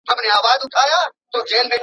زه پرون د لوبو لپاره وخت نيسم وم!